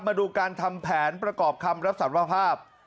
มาดูการทำแผนประกอบคำรับสารภาพ